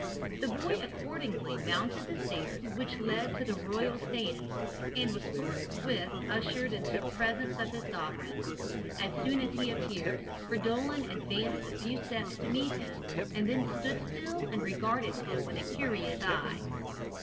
The boy accordingly mounted the stairs which led to the royal stand, and was forthwith ushered into the presence of his sovereign. As soon as he appeared, Fridolin advanced a few steps to meet him, and then stood still and regarded him with a curious eye.